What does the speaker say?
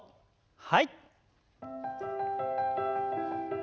はい。